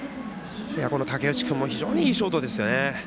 竹内君も非常によいショートですよね。